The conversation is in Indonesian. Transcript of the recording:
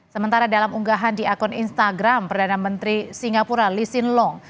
sementara dalam unggahan di akun instagram perdana menteri singapura lishin long